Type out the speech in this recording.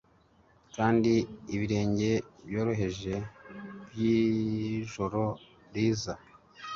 kandi ibirenge byoroheje byijoro riza